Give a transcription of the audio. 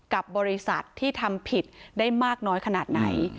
กับบริษัทที่ทำผิดได้มากน้อยขนาดไหน